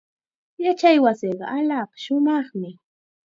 Yachaywasiiqa allaapa shumaqmi.